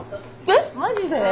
えっマジで？